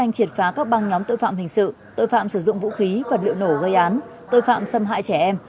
nắm tội phạm hình sự tội phạm sử dụng vũ khí vật liệu nổ gây án tội phạm xâm hại trẻ em